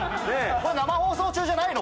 生放送中じゃないの？